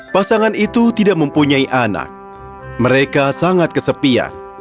pasangan itu tidak mempunyai anak mereka sangat kesepian